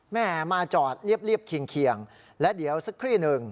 แม่มาจอดเรียบเคียงและเดี๋ยวสักครู่หนึ่ง